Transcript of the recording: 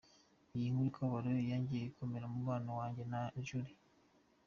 Iyi nkuru y’akababaro yangije bikomeye umubano wanjye na Julie.